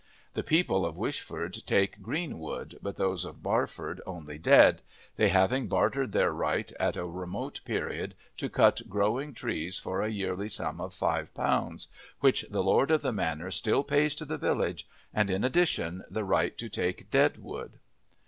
The people of Wishford take green wood, but those of Barford only dead, they having bartered their right at a remote period to cut growing trees for a yearly sum of five pounds, which the lord of the manor still pays to the village, and, in addition, the right to take dead wood.